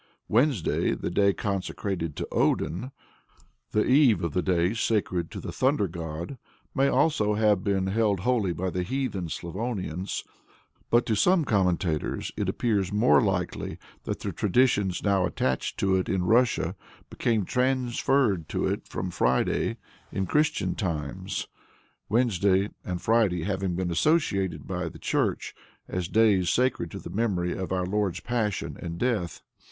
Wednesday, the day consecrated to Odin, the eve of the day sacred to the Thundergod, may also have been held holy by the heathen Slavonians, but to some commentators it appears more likely that the traditions now attached to it in Russia became transferred to it from Friday in Christian times Wednesday and Friday having been associated by the Church as days sacred to the memory of Our Lord's passion and death.